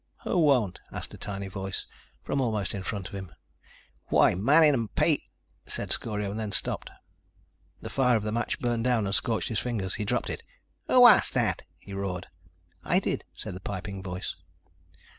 "Who won't?" asked a tiny voice from almost in front of him. "Why, Manning and Page ..." said Scorio, and then stopped. The fire of the match burned down and scorched his fingers. He dropped it. "Who asked that?" he roared. "I did," said the piping voice.